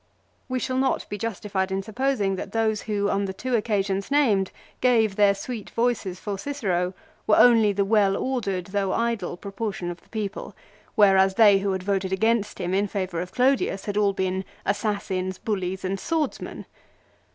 We shall not be justified in supposing that those who on the two occasions named gave their sweet voices for Cicero were only the well ordered though idle proportion of the people, whereas they who had voted against him in favour of Clodius, had all been assassins, bullies and swords men.